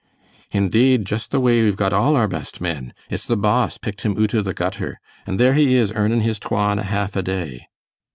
"Indeed, just the way we've got all our best men. It's the boss picked him oot o' the gutter, and there he is earnin' his twa and a half a day."